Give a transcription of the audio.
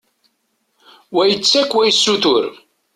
Wa yettak, wa yessutur.